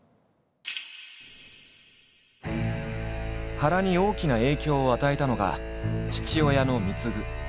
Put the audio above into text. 原に大きな影響を与えたのが父親の貢。